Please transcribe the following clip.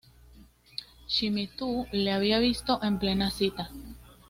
Shimizu le había visto en plena cita.